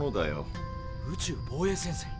宇宙防衛戦線？